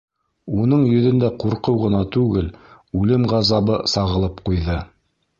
Уның йөҙөндә ҡурҡыу ғына түгел, үлем ғазабы сағылып ҡуйҙы.